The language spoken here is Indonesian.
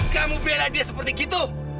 kamu bela dia seperti itu